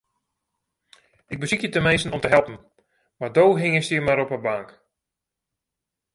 Ik besykje teminsten om te helpen, mar do hingest hjir mar op 'e bank.